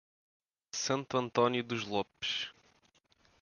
Santo Antônio dos Lopes